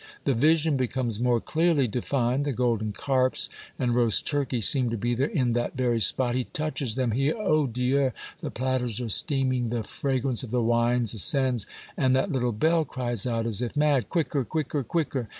The vision becomes more clearly de fined, the golden carps and roast turkeys seem to be there, in that very spot ! He touches them, he — oh ! Dieu ! the platters are steaming, the fra grance of the wines ascends, and that little bell cries out as if mad, —Quicker, quicker, quicker